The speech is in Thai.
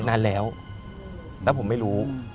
นานแล้วแล้วผมไม่รู้